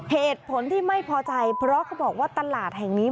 เหตุผลที่ไม่พอใจเพราะเขาบอกว่าตลาดแห่งนี้